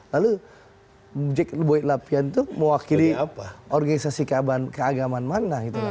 lalu boy lapian itu mewakili organisasi keagaman mana